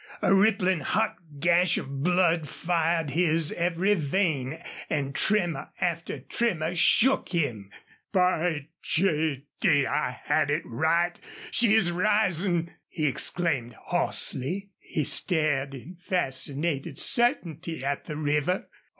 A rippling hot gash of blood fired his every vein and tremor after tremor shook him. "By G d! I had it right she's risin'!" he exclaimed, hoarsely. He stared in fascinated certainty at the river.